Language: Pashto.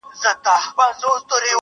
نه د پردي نسیم له پرخو سره وغوړېدم.!